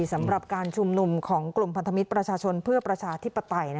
สำหรับการชุมนุมของกลุ่มพันธมิตรประชาชนเพื่อประชาธิปไตย